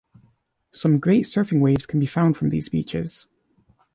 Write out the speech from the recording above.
Some great surfing waves can be found from these beaches.